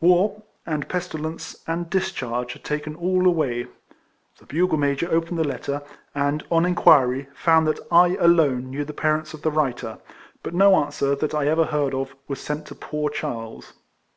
War, and pestilence, and discharge, had taken all away. The bugle major opened the letter; and, on inquiry, found that I alone knew the parents of the writer ; but no answer, that I ever heard of, was sent to poor Charles.